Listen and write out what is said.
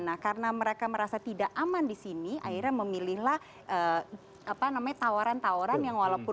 nah karena mereka merasa tidak aman di sini akhirnya memilihlah apa namanya tawaran tawaran yang walaupun